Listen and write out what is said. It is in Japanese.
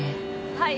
はい。